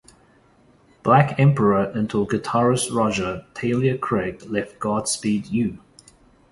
Black Emperor until guitarist Roger Tellier-Craig left Godspeed You!